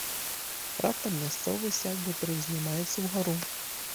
Раптам мясцовасць як бы прыўзнімаецца ўгару.